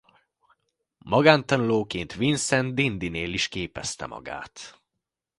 Magántanulóként Vincent d’Indynél is képezte magát.